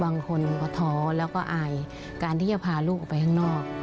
บางคนก็ท้อแล้วก็อายการที่จะพาลูกออกไปข้างนอก